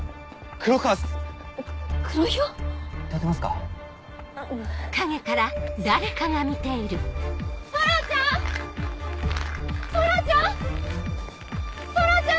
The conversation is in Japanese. ⁉空ちゃん！